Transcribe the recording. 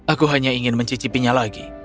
aku hanya ingin mencicipinya lagi